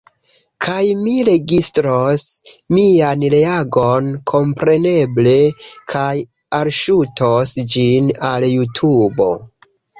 Kaj mi registros mian reagon, kompreneble, kaj alŝutos ĝin al Jutubo.